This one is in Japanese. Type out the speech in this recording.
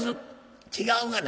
「違うがな。